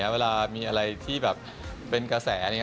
เวลามีอะไรที่แบบเป็นกระแส